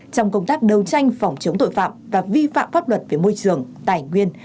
trong công tác đấu tranh phòng chống tội phạm và vi phạm pháp luật về môi trường tài nguyên